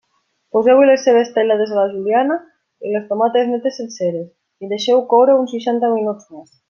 Poseu-hi les cebes tallades a la juliana i les tomates netes senceres i deixeu-ho coure uns seixanta minuts més.